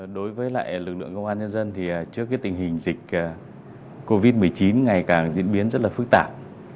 đối với lại lực lượng công an nhân dân thì trước tình hình dịch covid một mươi chín ngày càng diễn biến rất là phức tạp